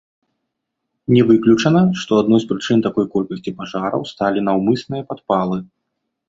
Не выключана, што адной з прычын такой колькасці пажараў сталі наўмысныя падпалы.